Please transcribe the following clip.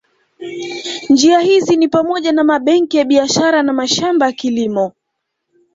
Njia hizi ni pamoja na mabenki ya biashara na mashamba ya kilimo